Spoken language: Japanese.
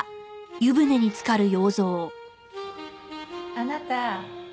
あなた。